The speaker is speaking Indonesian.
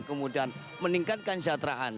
kemudian meningkatkan kesejahteraan